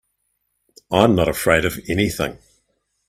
I'm not afraid of anything.